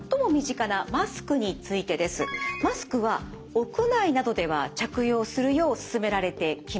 マスクは屋内などでは着用するよう勧められてきました。